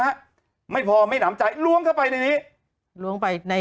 โหยวายโหยวายโหยวายโหยวายโหยวาย